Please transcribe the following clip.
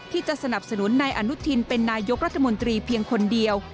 สนับสนุนนายอนุทินเป็นนายกรัฐมนตรีเพียงคนเดียว